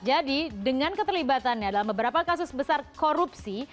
jadi dengan keterlibatannya dalam beberapa kasus besar korupsi